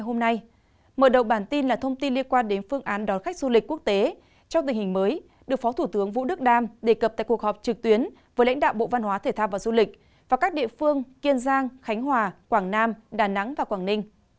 hãy đăng ký kênh để ủng hộ kênh của chúng mình nhé